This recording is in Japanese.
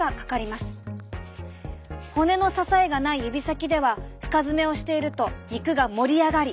骨の支えがない指先では深爪をしていると肉が盛り上がり